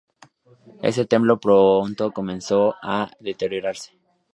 Este templo pronto comenzó a deteriorarse.